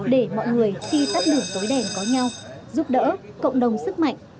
để mọi người khi tắt đường tối đèn có nhau giúp đỡ cộng đồng sức mạnh